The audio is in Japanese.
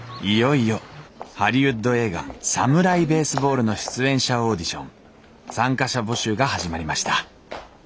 いよいよハリウッド映画「サムライ・ベースボール」の出演者オーディション参加者募集が始まりました。